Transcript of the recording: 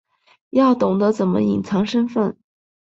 要懂得怎么隐藏身份